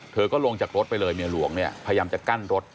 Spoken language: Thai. เธอก็ลงจากรถไปเลยเมียหลวงเนี่ยพยายามจะกั้นรถ